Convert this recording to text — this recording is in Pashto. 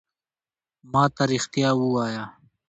ما ته رېښتیا ووایه !